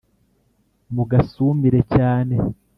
mugasumire cyane